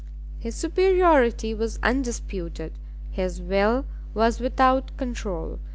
His superiority was undisputed, his will was without controul.